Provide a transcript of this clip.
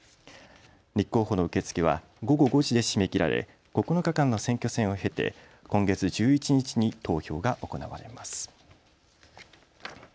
立候補の受け付けは午後５時で締め切られ９日間の選挙戦を経て今月１１日に投票が行われます。